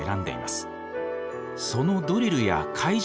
そのドリルや会場